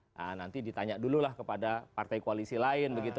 nah nanti ditanya dulu lah kepada partai koalisi lain begitu